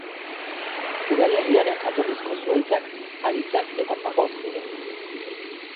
Udalerriaren jatorrizko zuhaitzak haritzak eta pagoak ziren.